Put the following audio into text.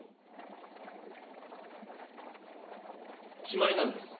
決まりなんです。